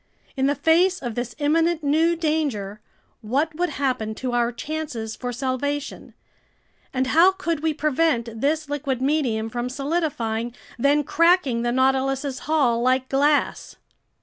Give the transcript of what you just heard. In the face of this imminent new danger, what would happen to our chances for salvation, and how could we prevent this liquid medium from solidifying, then cracking the Nautilus's hull like glass?